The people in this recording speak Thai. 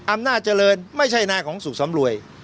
อำนาจเจริญไม่ใช่นาของสุขสำรวย